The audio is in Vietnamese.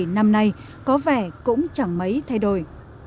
năm nay có vẻ cũng chẳng mấy thay đổi